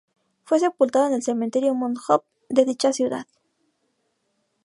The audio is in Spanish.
Fue sepultado en el cementerio Mount Hope de dicha ciudad.